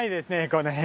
この辺。